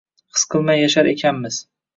his qilmay yashar ekanmiz.